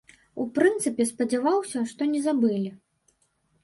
У прынцыпе спадзяваўся, што не забылі.